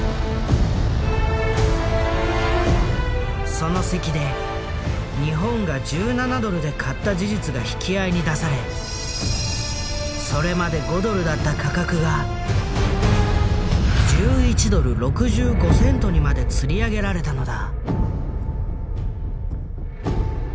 その席で日本が１７ドルで買った事実が引き合いに出されそれまで５ドルだった価格が１１ドル６５セントにまでつり上げられたのだ。